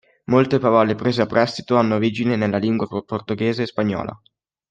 Molte parole prese a prestito hanno origine nella lingua portoghese e spagnola.